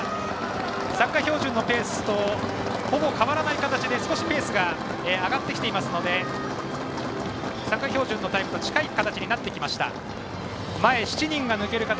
参加標準記録のペースとほぼ変わらない形で少しペースが上がってきていますので参加標準のペースと近い形になってきました。